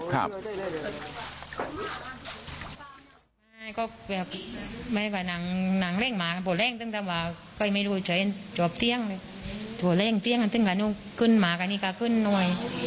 ฆ่าเล็งเตี้ยงอ่ะซึ่งการนู่นขึ้นมากกันนี่ก็ขึ้นหน่อย